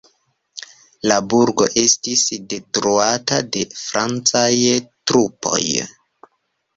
La burgo estis detruata de francaj trupoj.